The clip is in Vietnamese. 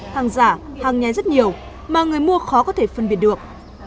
hàng giả hàng nhái rất nhiều mà người mua khó có thể phân biệt được